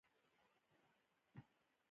خزانه د انسان د ځواک او پرمختګ سرچینه ده.